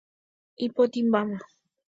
Ipotĩmbáma.